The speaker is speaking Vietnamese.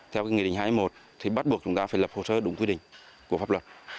theo nghị định hai mươi một thì bắt buộc chúng ta phải lập hồ sơ đúng quy định của pháp luật